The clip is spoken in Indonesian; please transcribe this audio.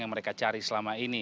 yang mereka cari selama ini